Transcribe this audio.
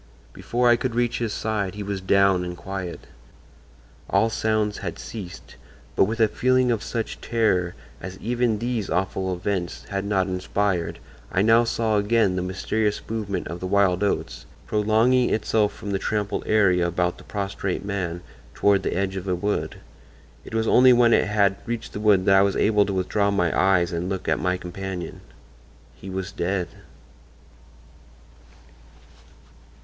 Before I could reach his side he was down and quiet. All sounds had ceased, but with a feeling of such terror as even these awful events had not inspired I now saw again the mysterious movement of the wild oats, prolonging itself from the trampled area about the prostrate man toward the edge of a wood. It was only when it had reached the wood that I was able to withdraw my eyes and look at my companion. He was dead."